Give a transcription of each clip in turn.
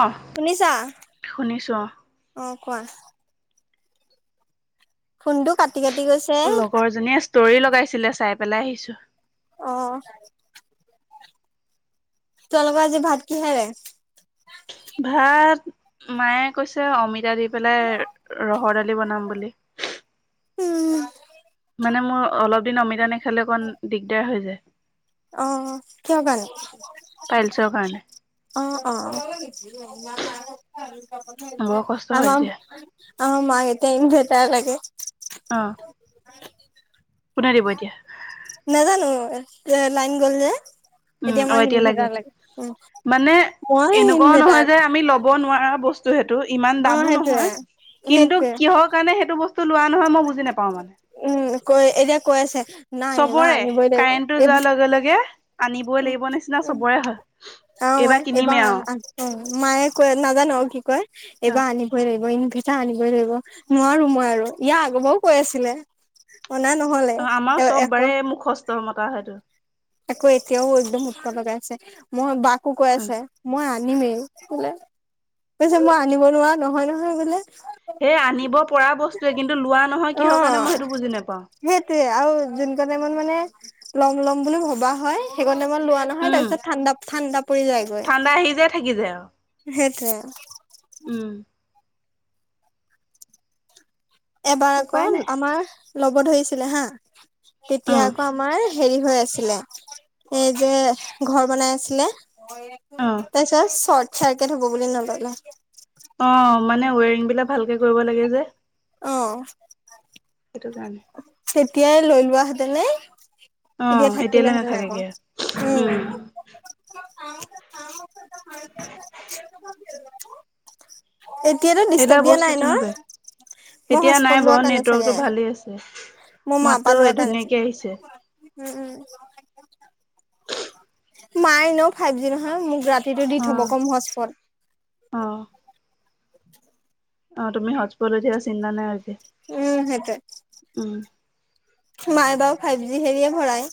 অ শুনিছা? শুনিছোঁ অ অ কোৱা খুন্দু কাট লগৰ জনীয়ে ষ্টৰি লগাইছিলে চাই পেলাই আহিছো অ তোমালোকৰ আজি ভাত কি খেৰে ভাত মায়ে কৈছে অমিত পজা দি পেলাই ৰহৰ দালি বনাম বুলি উম মানে মোৰ অলপ দিন অমিতা নেখালে অকণ দিগদাৰ হৈ যায় আহ কিয় ভাল পাইলছৰ কাৰণে অ অ বৰ কষ্ট আ হয় তেতিয়া অ মগেতে ইন ভেটাৰ লাগে অ কোনে দিব এতিয়া নাজানো এ লাইন গল যে এতিয়া মমাকিন ভেজাৰ লাগে মানে উ এনেকুৱাও নহয় যে আমি ল'ব নোৱাৰা বস্তু সেইটো ইমান অ দামো সেইটোয়ে নহয় কিন্তু সেইটোয়ে কিহৰ কাৰণে সেইটো বস্তু লোৱা নহয় মই বুজি নাপাওঁ মানে উম কৈ এতিয়া কৈ আছে নাই এইবাৰ চবৰে আনিবই কাৰেণ্টটো লাগিব এই যোৱাৰ লগে লগে আনিবই লাগিব নিচিনা উম চবৰে হয় অ মই কিনিমে এইবাৰ আৰু অ মায়ে কৈ নাজানো কি কয় এইবাৰ আনিবই লাগিব আনিবই ধৰিব নোৱাৰো মই আৰু ইয়াৰ আগৰ পৰাও কৈ আছিলে অনা নহলে অ আমাৰ এ চব এশ বাৰে মুখস্থ মতা সেইটো আকৌ এতিয়াও একদম উৎস লগাই আছে মই বাকো কৈ আছে মই আমেই বোলে কৈছে মই আনিব নোৱাৰা নহয় নহয় বোলে সেই আনিব পৰা বস্তুৱয়ে কিন্তু লোৱা নহয় কিহৰ কাৰণে মই সেইটো বুজি নোপাওঁ সেইটোৱে আৰু যোন কনে মন মানে লম ল'ম বুলি ভবা হয় সেইকাৰণে মই লোৱা নহয় উম তাৰপিছত ঠাণ্ডা ঠাণ্ডা ঠাণ্ডা আহি যায় থাকি যায় আও সেইটো আও এবাৰ উপায় আকৌ নাই আমাৰ ল'ব ধৰিছিলে হা তেতিয়া অ আকৌ আমাৰ হেৰি হৈ আছিলে এই যে ঘৰ বনাই আছিলে অ তাৰপিছত শৰ্ট চাৰ্কিট হব বুলি নললে অ মানে ৱেৰিং বিলাক ভালকে কৰিব লাগে যে অ সেইটো কাৰণে তেতিয়াই লৈ লোৱ হেঁতেনে অ এতিয়া এতিয়ালৈ থাকিলেহেঁতেন আকৌ নাথাকেগে উম এতিয়াতো সেইবিলাক ডিষ্টাৰ্ব দিয়া বস্তু নাই ন তেনেকুৱাই মোৰ এতিয়া নাই হাজপেড লোৱা বাৰু কাৰণে চাগে নেটৱৰ্কটো ভালেই আছে মোৰ মাাপ মাতটো লোৱা কাৰণে ধুনীয়াকে চাগে আহিছে উম উম মাই এনেও ফাইভ জি নহয় মোক সেইটো দি অ থব কম হজ্পল অ অ তুমি সজ পট লৈ দিয়া চিন্তা নাই আজি উম সেইটোৱে উম মায়ে বাও ফাইভ জি হেৰিয়ে ভৰাই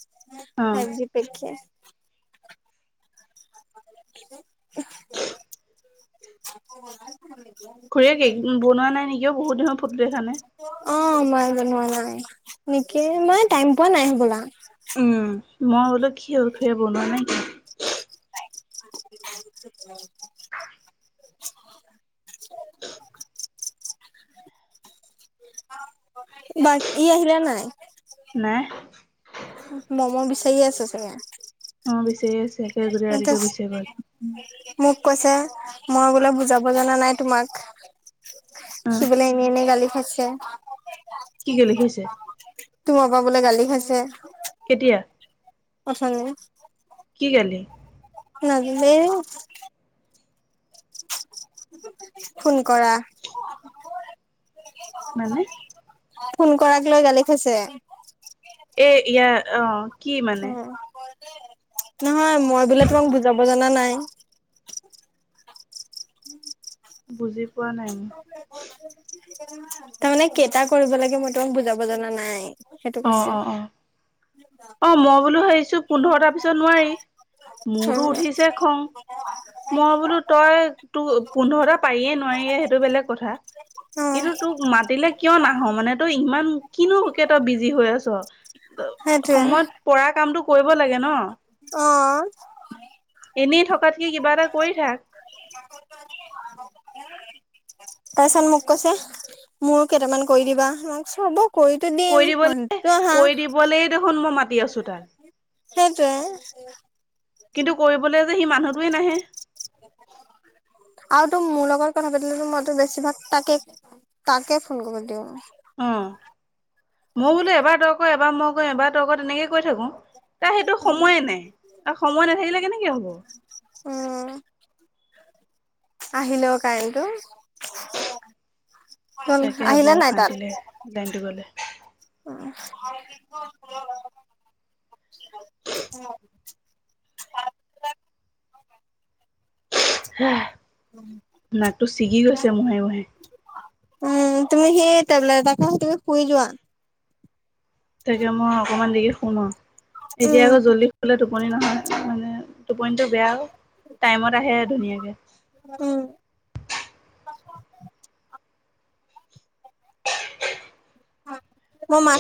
অ ফাইভ জি প্ৰেক্ষে [unintelligible] ঘূৰি কেক বনোৱা নাই নেকিও বহুত দিন হ'ল ফটো দেখা নাই অ মাই বনোৱা নাই নেকি মাই টাইম পোৱা নাই হবলা মই বোলো কি হ'ল খূড়ীয়ে বনোৱা নাই কিয় [unintelligible] বাৰক ই আহিলে নাই নাই মম বিচাৰিয়ে আছে ছাগে অ বিচাৰি য়ে আছে কালি গোটেই এ ত ৰাতিটো বিচাৰি গ'ল মোক কৈছে মই বোলে বুজাব জানানা নাই তোমাক অ সি বোলে এনে এনেই গালি খাইছে কি কি লিখিছে তোমাৰ পা বোলে গালি খাইছে কেতিয়া অথনি কেলে লাগিলে ফোন কৰা মানে? ফোন কৰাকলৈ গালি খাইছে। এ ইয়া অহ। অ নহয় মই বোলে তোমাক বুজাব জানা নাই। বুজি পোৱা নাই মই। তাৰমানে কেইটা কৰিব লাগে, মই তোমাক বুজাব জনা নাই, সেইটো অ অ কৈছে। অ অ মই বোলো ভাবিছো পোন্ধৰটাৰ পিছত নোৱাৰি, অ মোৰতো উঠিছে খং। মই বোলো তই তো পোন্ধৰটা পাৰিয়ে নোৱাৰিয়ে সেইটো বেলেগ কথা। অ কিন্তু তোক মাতিলে কিয় না নাহ, মানে তই ইমান কিনোকে তই বিজি হৈ আছ, সেইটোৱে সময়ত পৰা কামটো কৰিব লাগে ন। অহ এনেই থকাতকে কিবা এটা কৰি থাক। তাৰ পিছত মোক কৈছে, মোৰো কেইটামান কৰি দিবা, মই কৈছোঁ হব। কৰিতো দিম কৈ দিবলৈ মানুহটোতো আহা কৈ দিবলৈই দেখোন মই মাতি আছো তাক। সেইটোৱেই। কিন্তু কৰিবলৈ যে সি মানুহটোৱেই নাহে। [unintelligible] আৰুতো মোৰ লগত কথা পাতিলেটো মইতো বেছিভাগ তাকেই তাকেই ফোন কৰি দিওঁ। উম, মই বোলো এবাৰ তই কৰ, এবাৰ মই কৰোঁ এবাৰ তই কৰ তেনেকেই কৈ থাকো, তাৰ সেইটো সময়েই নাই আৰু সময় নাথাকিলে কেনেকে হব। উম। আহিলে অ কাৰেণ্টটো। ত তাকেহে বৰ আহিলে নাই অশান্তি তাত। [inaudible] লাগে। লাইনটো গ'লে উম। [unintelligible] হুহ, নাকটো ছিগি গৈছে মোহাৰি মোহাৰি। উম, তুমি টেবলেট এটা খাই তুমি শুই যোৱা। তাকে মই অকমান দেৰি শুম আৰু। এতিয়া আকৌ উম জল্দি শুলে টোপনি নহয় মানে। টোপনিটো বেয়া অ, টাইমত আহে ধুনীয়াকে। উম। মোৰ মা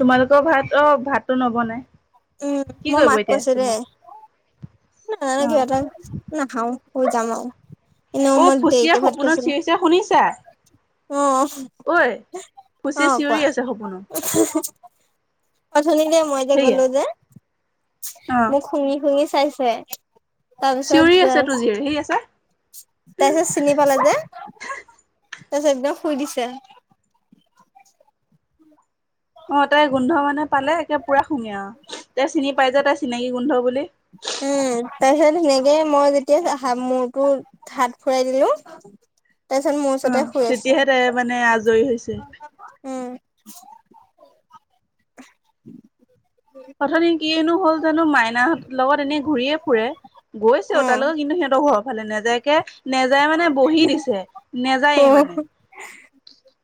তোমালোকৰ ভাত অ ভাততো নবনাই। উম, কি মই কৰিব মাক এতিয়া কৈছোঁ ৰেহ। তোমাৰ না অ না নাখাওঁ, শুই যাম আৰু। এনেও অ মই ফুচিয়া দেৰিকে ভাত সপোনত খাইছিলো। চিঞৰিছে শুনিছা অ ঐ ফুচিয়ে অ', চিঞৰি কোৱা? আছে সপোনত অথনি যে মই যে সেইয়া গ'লো যে অ মোক শুঙি শুঙি চাইছে। তাৰপিছত চিঞৰি আছে তোৰ জীয়েৰে হেৰি আছে তাৰপিছত চিনি পালে যে। তাৰপিছত একদম শুই দিছে। অ', তাই গোন্ধ মানে পালে একে পুৰা শুঙে আৰু, তাই চিনি পাই যে তাই চিনাকি গোন্ধ বুলি। উম, তাৰপিছত সেনেকে মই যেতিয়া মূৰটোত হাত ফুৰাই দিলো, তাৰপিছত মোৰ ওচৰতে অহ, শুই আছে তেতিয়াহে তাই মানে আজৰি হৈছে। উম। [inaudible] প্ৰথম দিন কিনো হ'ল জানো, মাইনাহঁতৰ লগত এনেই ঘূৰিয়েই ফুৰে। গৈছেও অ তালৈ, কিন্তু সিহঁতৰ ঘৰৰ ফালে নেজায়কে নেজায় মানে বহি দিছে, নে অহ।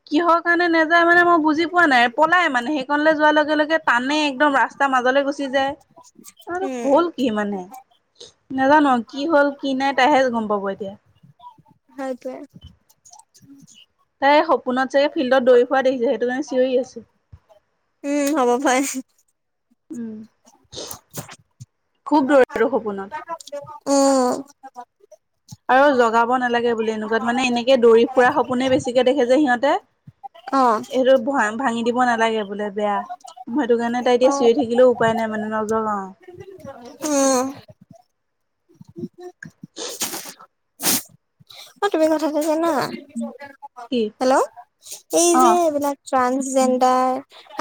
কিহৰ কাৰণে নেযায় মানে মই বুজি পোৱা নাই, পলাই মানে সেইখনলৈ যোৱাৰ লগে লগে টানে একদম ৰাচ তাৰ মাজলৈ গুচি যায় আৰু উম হ'ল কি মানে নাজানো কি হ'ল কি নাই তাইহে গম পাব এতিয়া হতে তাই সপোনত চাগে ফিল্ডত দৌৰি ফোৱা দেখিছে সেইটো কাৰণে চিঞৰি আছো উম হ'ব ভাই উম খুব দৰ ৰো সপোনত উম আৰু জগাব নালাগে বুলি এনেকুৱাত মানে এনেকে দৌৰি ফুৰা সপোনে বেছিকে দেখে যে সিহঁতে অ এইটো ভ ভাঙি দিব নালাগে বোলে বেয়া মইটো কাৰণে তাই অ এতিয়া চুঞে থাকিলেও উপায় নাই মানে নজ অ আহ তুি কথা না কি হেল্ল' এই অ যে এইবিলাক ট্ৰানসজেণ্ডাৰ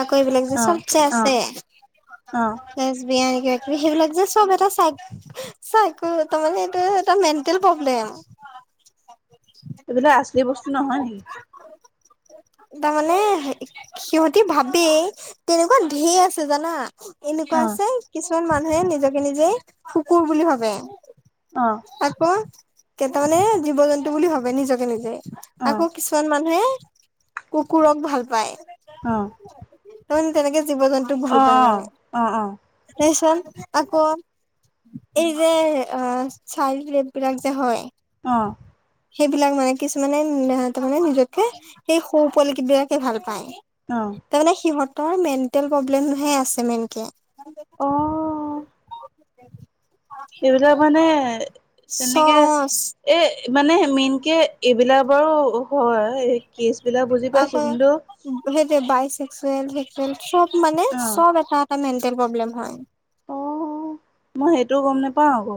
আকৌ এইবিলাক যে অ চব যেে আছে অ লেছ বিয়ান সেইবিলাক যে চব এটা চাই তাৰে এইটো এটা মেেল প্ৰব্লেম এইবিলাক আচলি বস্তু নহয় নেকি তাৰমানে সিহঁতি ভাবেই তেনেকুৱা ঢেৰ আছে জানা এনেকুৱা অ আছে কিছুমান মানুহে নিজকে নিজেই শুকুৰ বুলি ভাবে অ আকৌ কেইটামানে জীৱ জন্তু বুলি ভাবে নিজকে নিজে অ আকৌ কিছুমান মানুহে কুকুৰক ভাল পায় অ তাৰমানে তেনেকে জীৱ জন্তুক অ ভাল পায় অ অ মানে স চ আকৌ এই যে অ চাৰফ বিলাক যে হয় অ সেইবিলাক মানে কিছুমানে তাৰ মানে নিজকে সেই সৌ উপল বিলাকে ভাল পায় অ তাৰ মানে সিহঁতৰ মেণ্টেল প্ৰব্লেমহে আছে মেনকে অ এইবিলাক মানে তেনেকে চচ এ মানে মেইন কে এইবিলাকাৰু হয় কেচ বিলাক বুজি পাইছো আকৌ কিন্তু সেই যে বাইছে ব মানে অ চব এটা এটা মেটেল প্ৰব্লেম হয় অ মই সেইটোও গম নোপাও আকৌ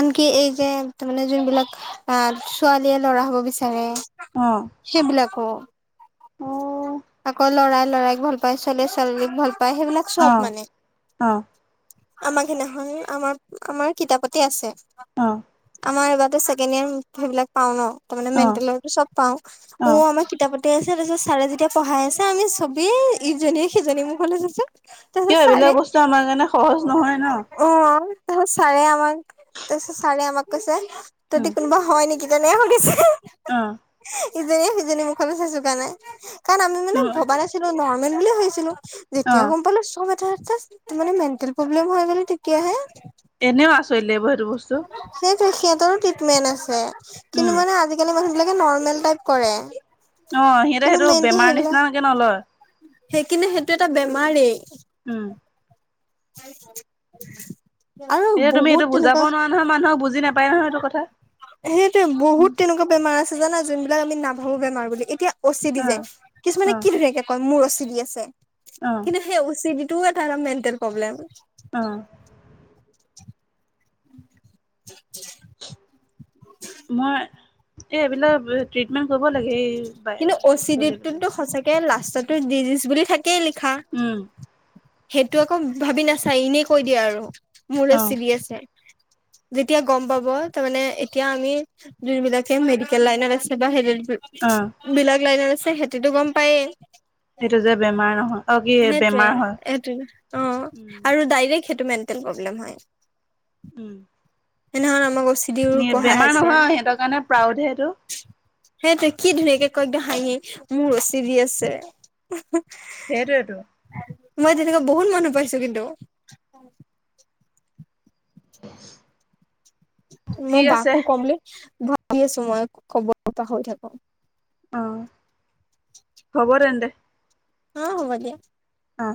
আনকি এই যে তাৰ মানে যোন বিলাক আহ ছোৱালীয়ে ল'ৰা হব বিচাৰে অ ক অ লৰাক ভাল পায় ছোৱালী ছোৱালীক ভাল পায় সেইবিলাক অ চব মানে অ আমাৰ সেইদিনাখন আমাৰ আমাৰ কিতাপতে আছে আমাৰ এবাৰ ছেকেড ইয়াৰ সেইবিলাক পাও ন তাৰে অ অ মেেল চব পাও অ ম আমাৰ কিতাপ গেট আছে তাৰপিছত ছাৰে যেতিয়া পঢ়াই আছে আমি চবেই ইজনীয়ে সিজনী মোৰখলে আছো কিয় এইবিলাক বস্তু আমাৰ কাৰণে সহজ নহয় ন অ তাৰত ছাৰে আমাক তাৰপিছত ছাৰে আমাক কৈছে তহদি কোনোবা হয় নেকি নে মুগিছে অ ইজনীয়ে সিজনী মুখত চাইছো কাৰণে কাৰণ আমি মানে তোম ভবা নাছিলো নৰ্মেল বুলিুলিয়ে ভাবিছিলো অ যেতিয়া গম পালো চব এটা এে মেন্টেল প্ৰব্লেম হৈ গ তেতিয়াহে এনেও আছৰি বতো বস্তু মেন্ আছে কিন্তু উম মানে আজিকালি মানুহ বিে নৰ্মেল টাইপ কৰে অ সিহঁতে কিন্তু সেইটো বেমাৰ নিচিনা নকে নহলয় সেই কিনে সেইটো এটা বেমাৰেই উম হয় এতিয়া তুমি এইটো বুজাব নোৱাৰা নহয় মানুহক বুজি নাপায় নহয় এইটো কথা সেইটোয়ে বহুত তেনেকুৱা বেমাৰ আছে জানা যোনবিলাক আমি নাবো বেমাৰ বুলি এতিয়া অচি দি অ যে কিছুমানে অ কি ধুনীয়াকে কয় মোৰ অচি টি ভি আছে অ কিন্তু সেই অচিবিটো এটা মেণ্টেল প্ৰব্লেম অ [inaudible] মই এই বিলাক টিটমেণ কৰ হব লাগে এই বাই ছোৱালী বিলাক তাতে ডিজিজ বুলি থাকেই লিখা উম সেইটো আকৌ ভাবি নাচাই এনেই কৈ দিয়ে আৰু মোৰে অ চিবি আছে যেতিয়া গম পাব তাৰ মানে এতিয়া আমি যোনবিলাকে মেডিকেল লাইনত আছে বা সেই অ বিলাক লাইনত আছে সেইটো গম পায়েই সেইটো যে বেমাৰ নহয় অ কি সেইটোৱে বেমাৰ হয় সেইটো অ উম আৰু ডাইৰেক সেইটো মেটেল প্ৰব্লেম হয় উম এনে হ'লে আমাক অ চি ডিৰ পঢ়াই বেমাৰ আছে নহয় সিহঁতৰ কাৰণে প্ৰাউডহে এইটো সেইটোৱে কি ধুনীয়াকে কয় একদম হাঁহি মোৰ চিৰি আছে সেইটোৱেতো মই তেনেকে বহুত মানুহ পাইছো কিন্তু [inaudible] মই ঠিক আছে। বাকো কমলে ভাবি আছো মই ক'ব পাহৰি থাকো। অহ, হব তেন্তে। অ, হব দিয়া। অ',